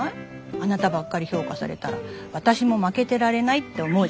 あなたばっかり評価されたら私も負けてられないって思うじゃない？